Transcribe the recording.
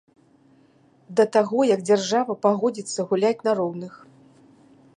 Да таго як дзяржава пагодзіцца гуляць на роўных.